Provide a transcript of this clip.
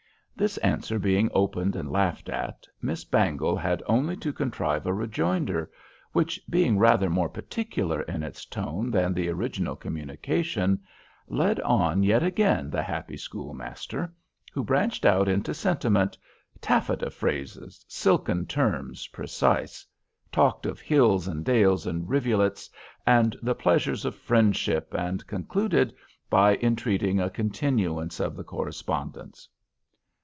This answer being opened and laughed at, Miss Bangle had only to contrive a rejoinder, which being rather more particular in its tone than the original communication, led on yet again the happy schoolmaster, who branched out into sentiment, "taffeta phrases, silken terms precise," talked of hills and dales and rivulets, and the pleasures of friendship, and concluded by entreating a continuance of the correspondence.